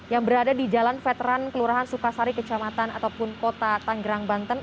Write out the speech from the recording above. yang berada di jalan veteran kelurahan sukasari kecamatan ataupun kota tanggerang banten